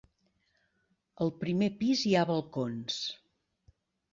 Al primer pis hi ha balcons.